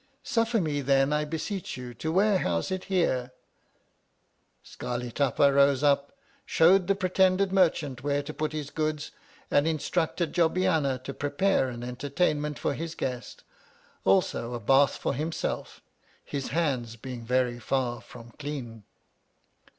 Suffer me then, I beseech you, to warehouse it here. Scarli Tapa rose up, showed the pretended merchant where to put his goods, and in structed Jobbiana to prepare an entertain ment for his guest. Also a bath for himself; his hands being very far from clean.